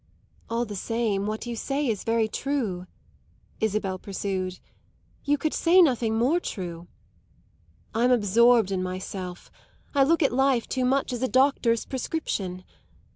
"All the same what you say is very true," Isabel pursued. "You could say nothing more true. I'm absorbed in myself I look at life too much as a doctor's prescription.